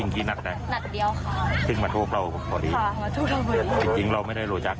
ค่ะ